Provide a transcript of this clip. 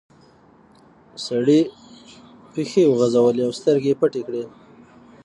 سړي پښې وغځولې او سترګې پټې کړې.